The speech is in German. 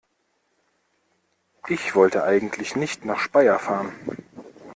Ich wollte eigentlich nicht nach Speyer fahren